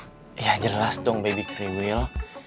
iya jelas dong baby kreweel